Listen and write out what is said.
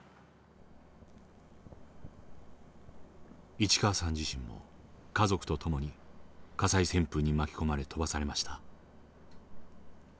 市川さん自身も家族と共に火災旋風に巻き込まれ飛ばされました。